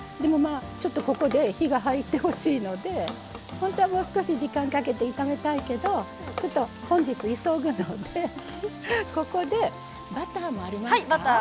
ここで火が入ってほしいので本当は、もう少し時間をかけて炒めたいけど本日、急ぐのでここでバターもありますか。